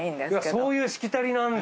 そういうしきたりなんだ。